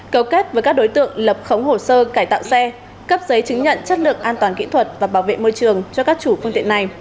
cầu kết với các đối tượng lập khống hồ sơ cải tạo xe cấp giấy chứng nhận chất lượng an toàn kỹ thuật và bảo vệ môi trường cho các chủ phương tiện này